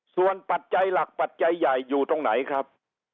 ส่วนปัจจัยหลักปัจจัยใหญ่อยู่ตรงไหนครับ